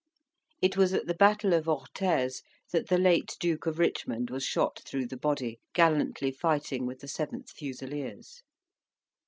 It was at the battle of Orthes that the late Duke of Richmond was shot through the body, gallantly fighting with the 7th Fusiliers.